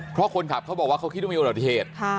เพราะคนขับเขาบอกว่าเขาคิดว่ามีอุบัติเหตุ